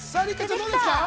どうですか。